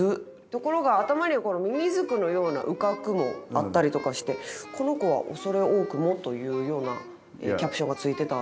ところが頭にミミズクのような羽角もあったりとかして「この子は恐れ多くも」というようなキャプションがついてた。